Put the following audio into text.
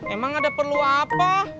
emang ada perlu apa